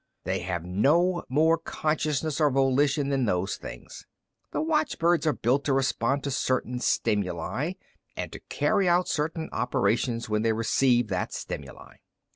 They have no more consciousness or volition than those things. The watchbirds are built to respond to certain stimuli, and to carry out certain operations when they receive that stimuli."